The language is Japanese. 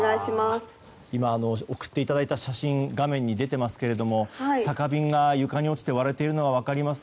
送っていただいた写真画面に出ていますが酒瓶が床に落ちて割れているのが分かります。